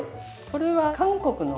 これは韓国の。